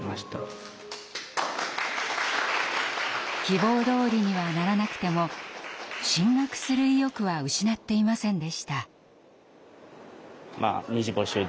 希望どおりにはならなくても進学する意欲は失っていませんでした。